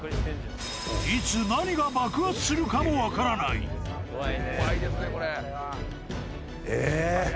いつ、何が爆発するかも分からなえー。